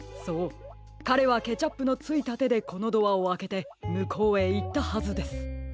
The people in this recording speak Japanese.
そうかれはケチャップのついたてでこのドアをあけてむこうへいったはずです。